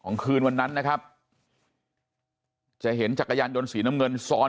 คืนวันนั้นนะครับจะเห็นจักรยานยนต์สีน้ำเงินซอย